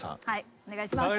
お願いしますよ。